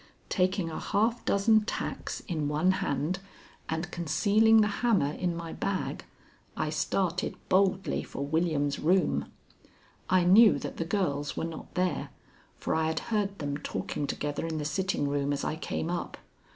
Taking a half dozen tacks in one hand and concealing the hammer in my bag, I started boldly for William's room. I knew that the girls were not there, for I had heard them talking together in the sitting room as I came up.